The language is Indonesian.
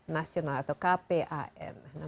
nasional atau kpan